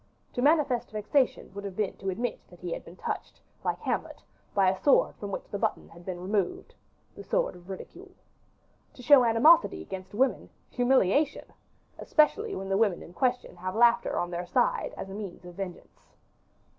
To manifest vexation would have been to admit that he had been touched, like Hamlet, by a sword from which the button had been removed the sword of ridicule. To show animosity against women humiliation! especially when the women in question have laughter on their side, as a means of vengeance.